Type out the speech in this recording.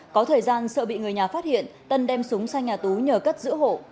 có thời gian sợ bị người nhà phát hiện tân đem súng sang nhà tú nhờ cất giữ hộ